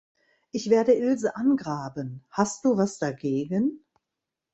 Ich werde Ilse angraben, hast du was dagegen?